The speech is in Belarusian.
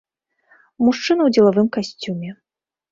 Мужчына ў дзелавым касцюме.